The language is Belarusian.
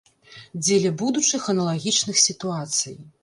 Дзеля будучых аналагічных сітуацый.